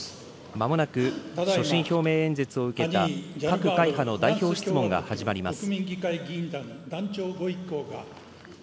まもなく所信表明演説を受けた、各会派の代表質問が始まります。